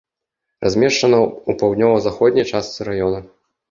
Размешчана ў паўднёва-заходняй частцы раёна.